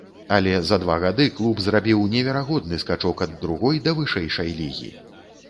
Але за два гады клуб зрабіў неверагодны скачок ад другой да вышэйшай лігі.